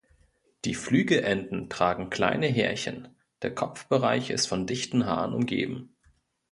Die Flügelenden tragen kleine Härchen, der Kopfbereich ist von dichten Haaren umgeben.